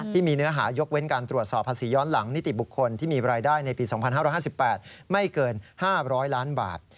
เนื้อหายกเว้นการตรวจสอบภาษีย้อนหลังนิติบุคคลที่มีรายได้ในปี๒๕๕๘ไม่เกิน๕๐๐ล้านบาท